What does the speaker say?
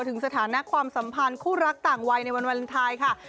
ถึงสถานะความสัมพันธ์คู่รักต่างวัยในวันวาเลนไทยค่ะ